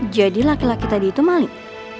jadi laki laki tadi itu maling